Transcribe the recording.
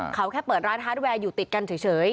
เขาแค่เปิดร้านฮาร์ดแวร์อยู่ติดกันเฉย